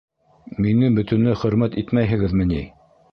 Мине бөтөнләй хөрмәт итмәйһегеҙме ни?